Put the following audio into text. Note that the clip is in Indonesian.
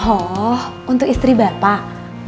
oh untuk istri bapak